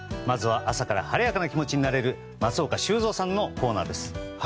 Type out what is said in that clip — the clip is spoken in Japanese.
まずは朝から晴れやかな気持ちになれる松岡修造さんのコーナーです。